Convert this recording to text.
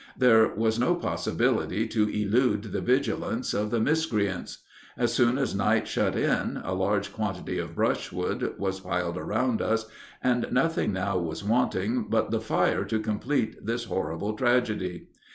There was no possibility to elude the vigilance of these miscreants. As soon as night shut in, a large quantity of brushwood was piled around us, and nothing now was wanting but the fire to complete this horrible tragedy.